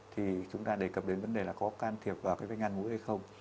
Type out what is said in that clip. thì chúng ta đề cập đến vấn đề là có can thiệp vào cái vết ngăn mũi hay không